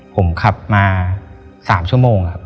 ผมขับมา๓ชั่วโมง